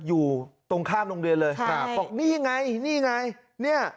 อยู่ตรงข้ามโรงเรียนเลยครับบอกนี่ไงนี่ไงเนี่ย